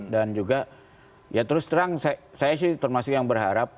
dan juga ya terus terang saya sih termasuk yang berharap